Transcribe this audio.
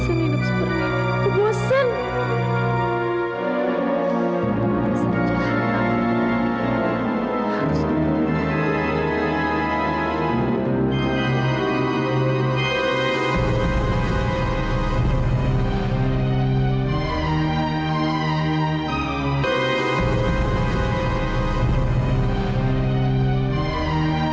aku bosan hidup seperti ini